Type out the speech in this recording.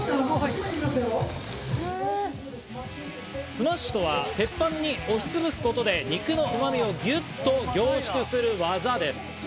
スマッシュとは鉄板に押し潰すことで肉のうまみをぎゅっと凝縮する技です。